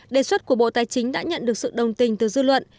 đề xuất của bộ tài chính đã nhận được sự đồng tình từ dư luận